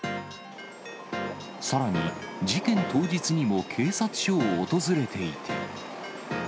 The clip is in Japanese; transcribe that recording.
さらに、事件当日にも警察署を訪れていて。